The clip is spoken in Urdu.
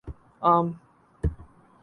عام